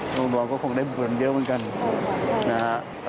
น้องดอมก็คงได้เบื่อมเยอะเหมือนกันนะครับ